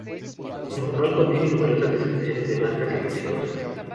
El manual contiene numerosas descripciones de danzas y músicos.